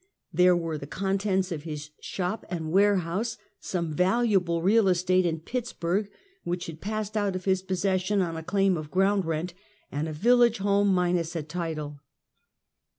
There were the contents of his shop and warehouse, some valuable real estate in Pittsburg, which had passed out of his possession on a claim of ground rent, and a village home minus a title.